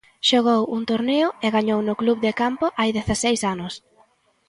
Xogou un torneo e gañou no Club de Campo hai dezaseis anos.